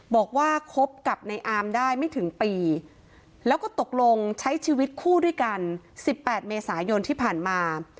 บอกว่าคบกับในอามได้ไม่ถึงปีแล้วก็ตกลงใช้ชีวิตคู่ด้วยกัน๑๘เมษายนที่ผ่านมา